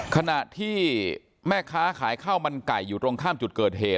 ขณะที่แม่ค้าขายข้าวมันไก่อยู่ตรงข้ามจุดเกิดเหตุ